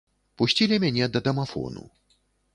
Пусцілі мяне да дамафону.